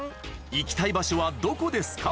行きたい場所はどこですか？